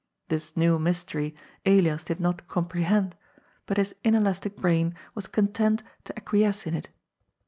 This new mystery Elias did not comprehend, but his inelastic brain was content to acquiesce in it.